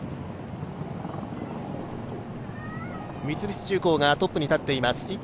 三菱重工がトップに立っています。